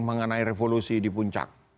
mengenai revolusi di puncak